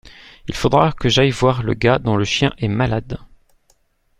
Il faudra que j’aille voir le gars dont le chien est malade.